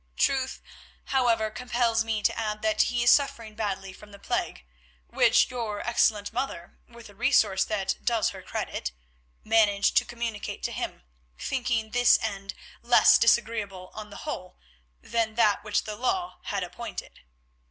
Truth, however, compels me to add that he is suffering badly from the plague, which your excellent mother, with a resource that does her credit, managed to communicate to him, thinking this end less disagreeable on the whole than that which the law had appointed."